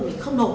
mình không nộp